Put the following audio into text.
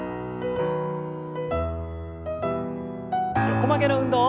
横曲げの運動。